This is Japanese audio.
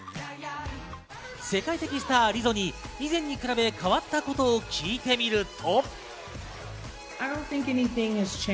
世界的スター、リゾに以前に比べ変わったことを聞いてみると。